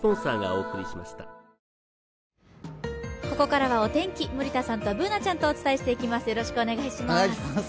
ここからはお天気、森田さんとＢｏｏｎａちゃんとお伝えしていきます